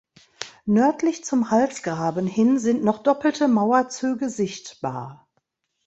Nördlich zum Halsgraben hin sind noch doppelte Mauerzüge sichtbar.